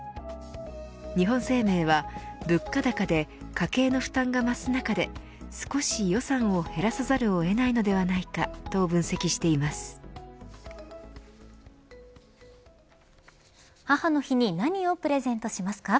日本生命は物価高で家計の負担が増す中で少し予算を減らさざるを得ないのではないか母の日に何をプレゼントしますか。